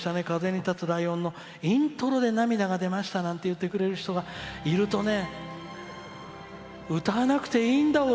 「風に立つライオン」のイントロで涙が出ましたなんて言ってくれる人がいると。